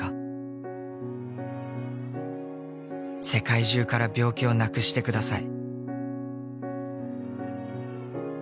「世界中から病気をなくしてください」